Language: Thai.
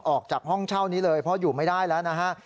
ออกจากห้องเช่านี้เลยเพราะอยู่ไม่ได้แล้วนะฮะ